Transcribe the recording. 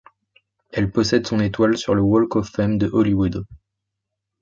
Elle possède son étoile sur le Walk of Fame de Hollywood.